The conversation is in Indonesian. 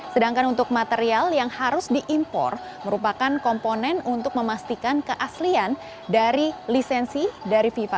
sedangkan untuk material yang harus diimpor merupakan komponen untuk memastikan keaslian dari lisensi dari fifa